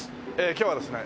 今日はですね